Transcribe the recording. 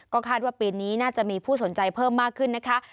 คาดว่าปีนี้น่าจะมีผู้สนใจเพิ่มมากขึ้นนะคะ